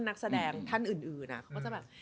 นักแสดงท่านอื่นเขาก็จะแบบ